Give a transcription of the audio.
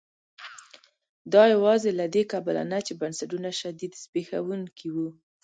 دا یوازې له دې کبله نه چې بنسټونه شدیداً زبېښونکي وو.